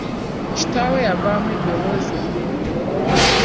Kitaawe yavaamu eddoboozi eddene.